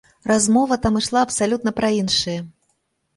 Размова там ішла абсалютна пра іншае.